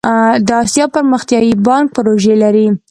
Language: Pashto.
د اسیا پرمختیایی بانک پروژې لري